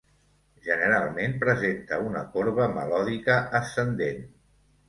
Generalment presenta una corba melòdica ascendent.